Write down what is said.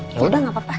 yaudah gak apa apa